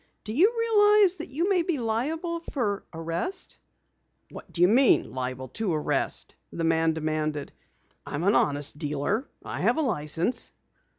"Do you realize that you may be liable to arrest?" "What d'you mean, liable to arrest?" the man demanded. "I'm an honest dealer and I have a license."